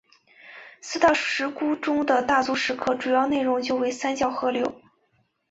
四大石窟中的大足石刻主要内容就为三教合流。